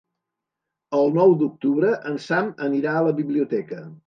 El nou d'octubre en Sam anirà a la biblioteca.